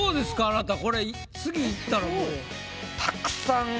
あなたこれ次いったらもう。